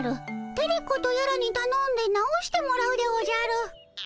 テレ子とやらにたのんで直してもらうでおじゃる。